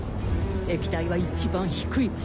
液体は一番低い場所。